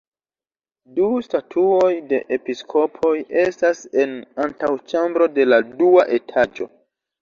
Du statuoj de episkopoj estas en antaŭĉambro de la dua etaĝo.